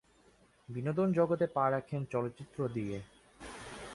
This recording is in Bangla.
বিনোদন জগতে পা রাখেন চলচ্চিত্র দিয়ে।